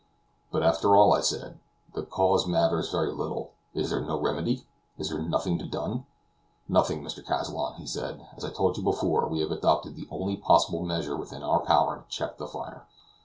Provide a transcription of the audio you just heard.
"But after all," I said, "the cause matters very little. Is there no remedy? Is there nothing to be done?" "Nothing, Mr. Kazallon," he said. "As I told you before, we have adopted the only possible measure within our power to check the fire.